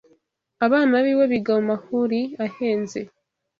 Abana biwe biga mumahuri ahenze